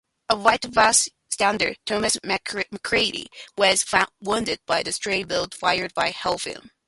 A white bystander, Thomas McCreary, was wounded by a stray bullet fired by Helflin.